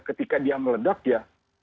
ketika dia meledak ya